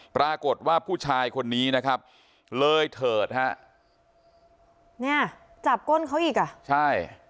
ปรากฏว่าผู้ชายคนนี้นะครับเลยเถิดฮะเนี่ยจับก้นเขาอีกอ่ะใช่